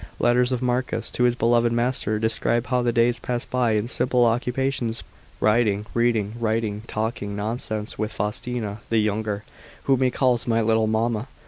Letters of Marcus to his beloved master describe how the days passed by in simple occupations, riding, reading, writing, talking nonsense with Faustina (the younger), whom he calls "my little mamma."